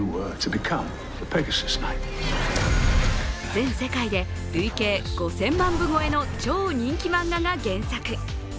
全世界で累計５０００万部超えの超人気漫画が原作。